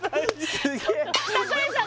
すげえ